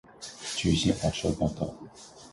据新华社报道